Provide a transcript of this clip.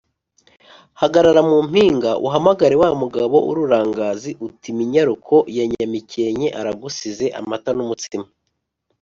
Hagarara mu mpinga uhamagare wa mugabo w'ururangazi uti Minyaruko ya Nyamikenke aragusize-Amata n'umutsima.